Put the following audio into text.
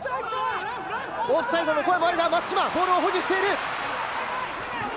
オフサイドの声もあるが、松島がボールを保持している。